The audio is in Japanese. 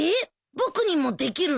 僕にもできるの？